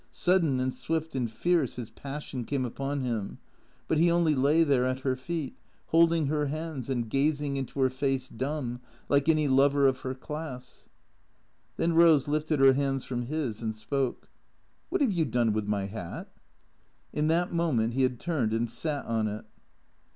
Sudden and swift and fierce his passion came upon him, but he only lay there at her feet, holding her hands, and gazing into her face, dumb, like any lover of her class. Then Eose lifted her hands from his and spoke. " What have you done with my hat ?" In that moment he had turned and sat on it.